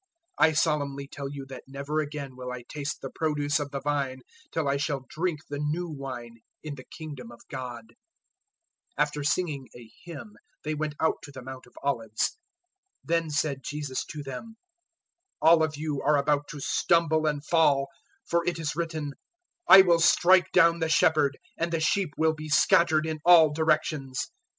014:025 I solemnly tell you that never again will I taste the produce of the vine till I shall drink the new wine in the Kingdom of God." 014:026 After singing a hymn, they went out to the Mount of Olives. 014:027 Then said Jesus to them, "All of you are about to stumble and fall, for it is written, 'I will strike down the Shepherd, and the sheep will be scattered in all directions.'